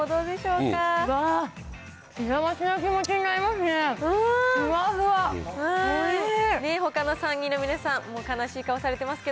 うわー、幸せな気持ちになりますね。